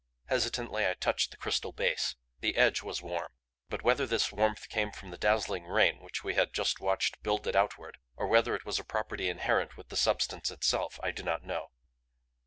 Hesitantly I touched the crystal base; the edge was warm, but whether this warmth came from the dazzling rain which we had just watched build it outward or whether it was a property inherent with the substance itself I do not know.